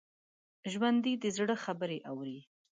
ژوندي د زړه خبرې اوري